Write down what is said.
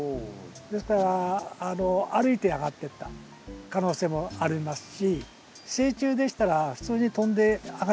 ですから歩いて上がってった可能性もありますし成虫でしたら普通に飛んで上がります。